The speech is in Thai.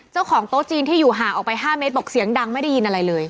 เจ้าของโต๊ะจีนที่อยู่ห่างออกไป๕เมตรบอกเสียงดังไม่ได้ยินอะไรเลย